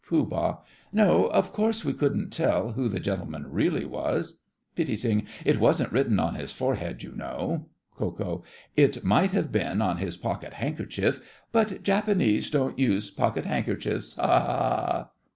POOH. No, of course we couldn't tell who the gentleman really was. PITTI. It wasn't written on his forehead, you know. KO. It might have been on his pocket handkerchief, but Japanese don't use pocket handkerchiefs! Ha! ha! ha!